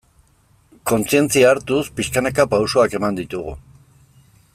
Kontzientzia hartuz, pixkanaka pausoak eman ditugu.